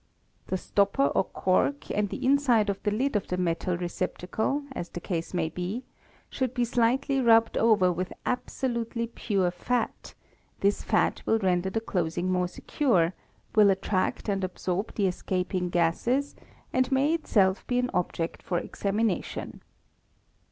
The stopper or cork and the inside of the lid of the metal receptacle, as the case may be, should be slighted rubbed over with absolutely pure fat; this fat will render the closing more secure, will attract and absorb the escaping gases, and may itself be an object for examination.